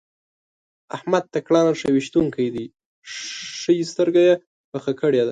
احمد تکړه نښه ويشتونکی دی؛ ښه يې سترګه پخه کړې ده.